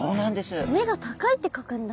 「目が高い」って書くんだ。